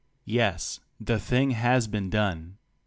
Yes, the "thing has been done."